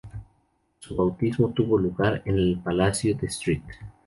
Su bautismo tuvo lugar en el palacio de St.